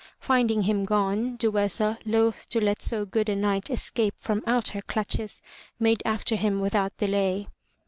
Finding him gone, Duessa, loath to let so good a knight escape from out her clutches, made after him without delay.